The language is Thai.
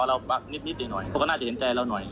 เราบักนิดนิดเลยหน่อยเขาก็น่าจะเห็นใจเราหน่อย